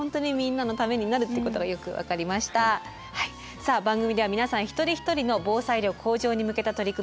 さあ番組では皆さん一人一人の防災力向上に向けた取り組み